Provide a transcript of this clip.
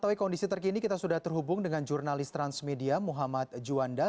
mengetahui kondisi terkini kita sudah terhubung dengan jurnalis transmedia muhammad juanda